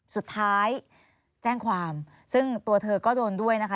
สุดท้ายแจ้งความซึ่งตัวเธอก็โดนด้วยนะคะ